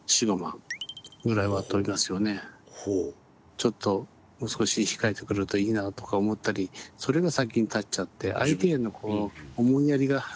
ちょっともう少し控えてくれるといいなとか思ったりそれが先に立っちゃって相手へのこう思いやりが。